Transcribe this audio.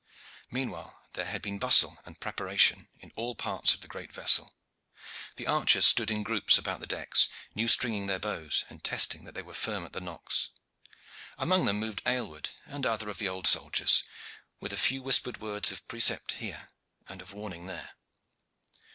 Meanwhile there had been bustle and preparation in all parts of the great vessel. The archers stood in groups about the decks, new stringing their bows, and testing that they were firm at the nocks. Among them moved Aylward and other of the older soldiers, with a few whispered words of precept here and of warning there.